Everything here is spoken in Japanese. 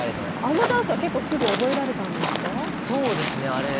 あのダンスは結構すぐ覚えられたんですか。